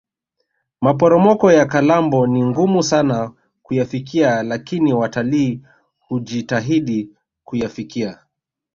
maporomoko ya kalambo ni ngumu sana kuyafikia lakini watalii hujitahidi kuyafikia